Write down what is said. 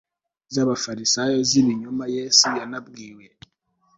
z'abafarisayo z'ibinyoma. yesu yanabwiye